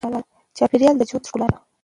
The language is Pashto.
چاپېریال د ژوند ښکلا ده.